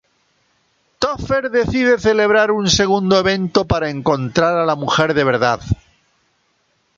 Topher decide celebrar un segundo evento para encontrar a la mujer de verdad.